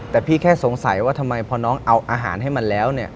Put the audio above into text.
แต่พี่แค่สงสัยว่าทำไมพอน้องเอาอาหารให้มันแล้ว